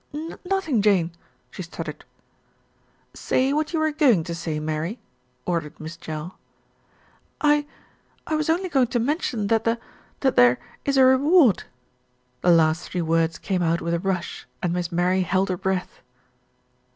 "Nothing, Jane," she stuttered. "Say what you were going to say, Mary," ordered Miss Jell. "I, I was only going to mention that there that there is a reward." The last three words came out with a rush, and Miss Mary held her breath.